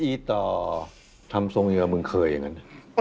อีต่อทำทรงเหยื่อมึงเคยอย่างนั้น